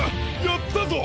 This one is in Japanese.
やったぞ！